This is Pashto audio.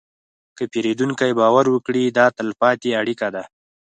که پیرودونکی باور وکړي، دا تلپاتې اړیکه ده.